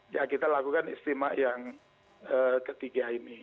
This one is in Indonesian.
ya kita lakukan istimewa yang ketiga ini